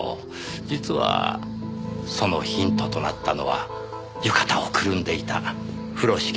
実はそのヒントとなったのは浴衣をくるんでいた風呂敷でした。